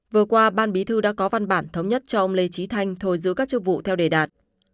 vừa qua ban bí thư đã có văn bản thống nhất cho ông lê trí thanh thôi giữ các chức vụ theo đề đạt